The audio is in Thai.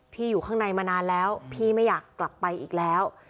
อยู่ข้างในมานานแล้วพี่ไม่อยากกลับไปอีกแล้ว